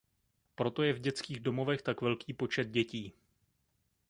Proto je v dětských domovech tak velký počet dětí.